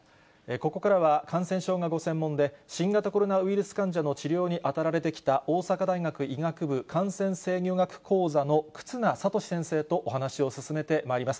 ここからは、感染症がご専門で、新型コロナウイルス患者の治療に当たられてきた、大阪大学医学部感染制御学講座の忽那賢志先生とお話を進めてまいります。